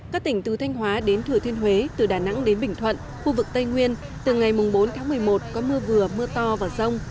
các tỉnh từ thanh hóa đến thừa thiên huế từ đà nẵng đến bình thuận khu vực tây nguyên từ ngày bốn tháng một mươi một có mưa vừa mưa to và rông